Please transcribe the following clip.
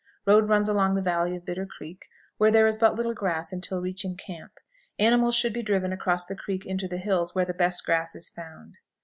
Road runs along the valley of Bitter Creek, where there is but little grass until reaching camp. Animals should be driven across the creek into the hills, where the best grass is found.